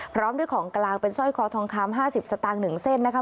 พร้อมด้วยของกลางเป็นสร้อยคอทองคามห้าสิบสตางค์หนึ่งเส้นนะคะ